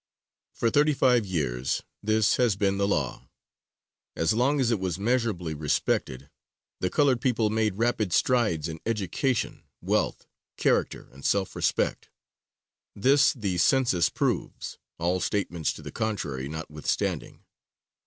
For thirty five years this has been the law. As long as it was measurably respected, the colored people made rapid strides in education, wealth, character and self respect. This the census proves, all statements to the contrary notwithstanding.